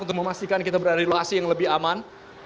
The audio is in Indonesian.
kita memastikan kita berada di luas yang lebih aman